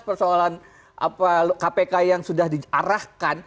persoalan kpk yang sudah diarahkan